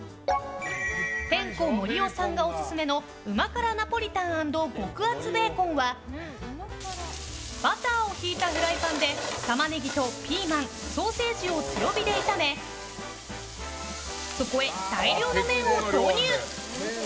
てんこ盛り男さんがオススメの旨辛ナポリタン＆極厚ベーコンはバターをひいたフライパンでタマネギとピーマンソーセージを強火で炒めそこへ大量の麺を投入。